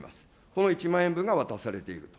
この１万円分が渡されている。